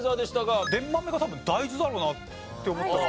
「でっまめ」が多分大豆だろうなって思ったから。